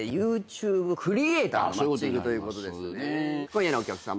今夜のお客さん